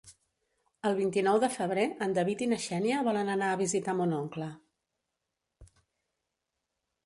El vint-i-nou de febrer en David i na Xènia volen anar a visitar mon oncle.